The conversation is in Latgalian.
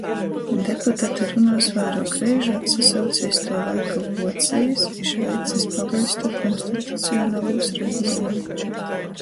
Deputati runuos vairuok reižu atsasauce iz tuo laika Vuocejis i Šveicis pavaļstu konstitucionalūs reguliejumu.